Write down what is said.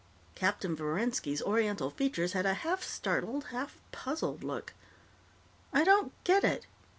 Captain Verenski's Oriental features had a half startled, half puzzled look. "I don't get it.